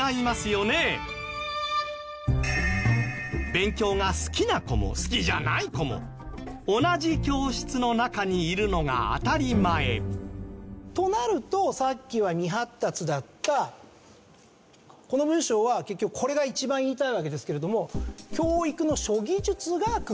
勉強が好きな子も好きじゃない子も同じ教室の中にいるのが当たり前となるとさっきは未発達だったこの文章は結局これが一番言いたいわけですけれども「教育の諸技術が工夫された」と。